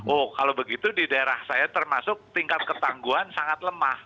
oh kalau begitu di daerah saya termasuk tingkat ketangguhan sangat lemah